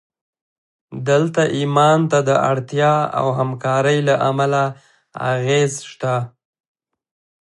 دلته ایمان ته د اړتیا او همکارۍ له امله اغېز شته